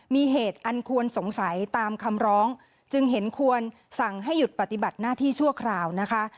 มีเหตุอันควรสงสัยตามคำร้องจึงเห็นควรสั่งให้หยุดปฏิบัติหน้าที่ชั่วคราวนะคะ